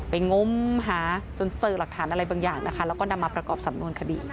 งมหาจนเจอหลักฐานอะไรบางอย่างนะคะแล้วก็นำมาประกอบสำนวนคดี